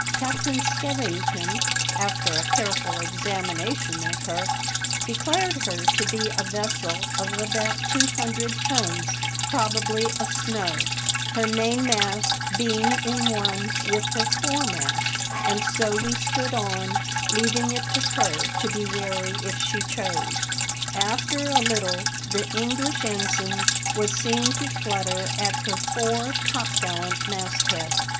Captain Skevington, after a careful examination of her, declared her to be a vessel of about two hundred tons, probably a snow — her mainmast being in one with her foremast — and so we stood on, leavinp it to her to be wary if she chose. After a little the Engflish ension was seen to flutter at her fore topgallant masthead.